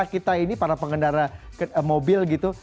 kita ini para pengendara mobil gitu